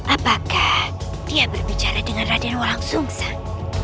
apakah dia berbicara dengan raden wolangsungsan